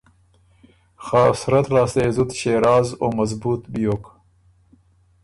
خه صورت لاسته يې زُت ݭېراز او مضبوط بیوک۔